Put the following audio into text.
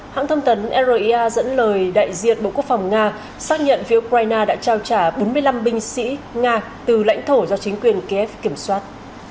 hãng thông tấn ria dẫn lời đại diện bộ quốc phòng nga xác nhận phía ukraine đã trao trả bốn mươi năm binh sĩ nga từ lãnh thổ do chính quyền kiev kiểm soát